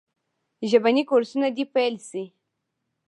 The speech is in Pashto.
ژبني کورسونه دي پیل سي.